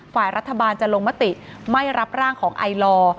ฝ่ายรัฐบาลจะลงมติไม่รับร่างของไอลอร์